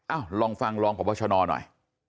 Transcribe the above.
อ้าวลองฟังลองกับพ่อชนหน่อย